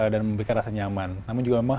dan memberikan rasa nyaman namun juga memang